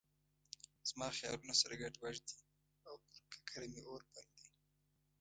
زما خیالونه سره ګډ وډ دي او پر ککره مې اور بل دی.